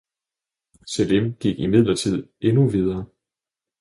Selim gik imidlertid endnu videre.